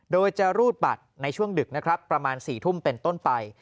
โดยจะรูดบัตรในช่วงดึกนะครับประมาณ๔ทุ่มเป็นต้นไป